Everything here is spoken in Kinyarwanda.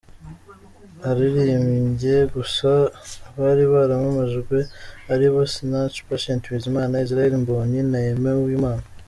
Haririmbye gusa abari baramamajwe ari bo Sinach, Patient Bizimana, Israel Mbonyi na Aime Uwimana.